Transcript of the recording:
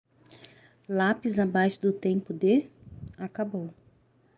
Lápis abaixo do tempo de? acabou.